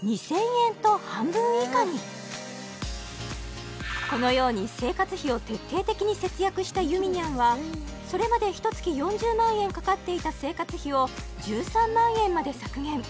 ２０００円と半分以下にこのように生活費を徹底的に節約したゆみにゃんはそれまでひと月４０万円かかっていた生活費を１３万円まで削減